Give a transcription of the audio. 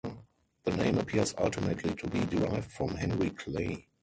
The name appears ultimately to be derived from Henry Clay.